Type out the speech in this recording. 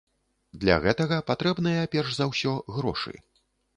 Для гэтага патрэбныя, перш за ўсё, грошы.